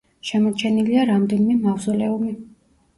შემორჩენილია რამდენიმე მავზოლეუმი.